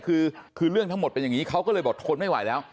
คือเรื่องทั้งหมดเป็นอย่างนี้เขาก็เลยบอกทนไม่ไหวแล้ว